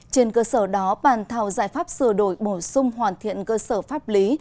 trên cơ sở đó bàn thảo giải pháp sửa đổi bổ sung hoàn thiện cơ sở pháp lý